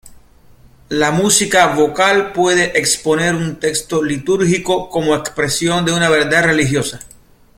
La música vocal puede exponer un texto litúrgico cómo expresión de una verdad religiosa.